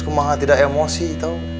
kemah tidak emosi tau